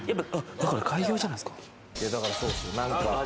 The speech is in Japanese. だから開業じゃないですか？